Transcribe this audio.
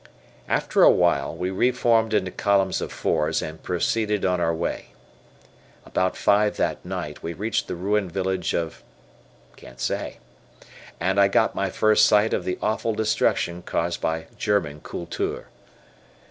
After awhile, we re formed into columns of fours, and proceeded on our way. About five that night, we reached the ruined village of H , and I got my first sight of the awful destruction caused by German Kultur.